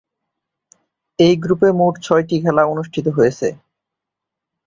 এই গ্রুপে মোট ছয়টি খেলা অনুষ্ঠিত হয়েছে।